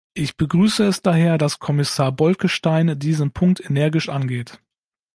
Ich begrüße es daher, dass Kommissar Bolkestein diesen Punkt energisch angeht.